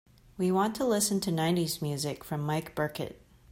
We want to listen to nineties music from mike burkett.